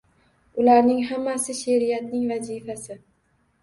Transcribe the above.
Ularning hammasi she’riyatning vazifasi.